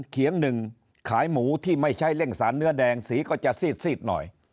เขียงหนึ่งขายหมูที่ไม่ใช่เร่งสารเนื้อแดงสีก็จะซีดหน่อย